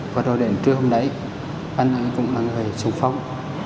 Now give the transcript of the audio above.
và rồi đến trưa hôm đấy anh ấy cũng mang về súng phong